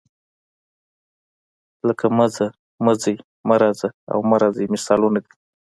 لکه مه ځه، مه ځئ، مه راځه او مه راځئ مثالونه دي.